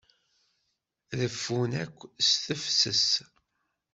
Reffun akk s tefses.